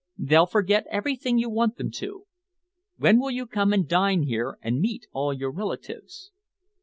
They'll forget everything you want them to. When will you come and dine here and meet all your relatives?"